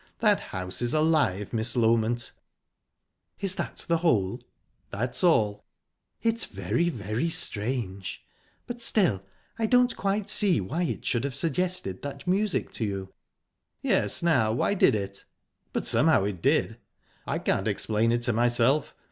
that house is alive, Miss Loment." "Is that the whole?" "That's all." "It's very, very strange. But still I don't quite see why it should have suggested that music to you?" "Yes, now, why did it? But somehow it did. I can't explain it to myself.